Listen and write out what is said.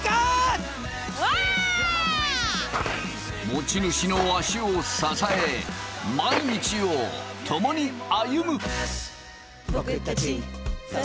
持ち主の足を支え毎日を共に歩む！